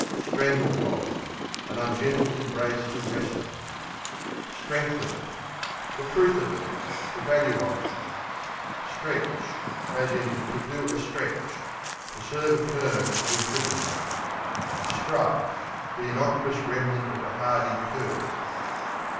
Strangle hold An ungentle embrace in wrestling. Strength of it The truth of it; the value of it. Stretch, to do a To serve a term of imprisonment. Strike The innocuous remnant of a hardy curse.